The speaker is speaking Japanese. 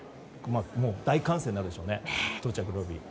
大歓声になるでしょうね到着ロビーは。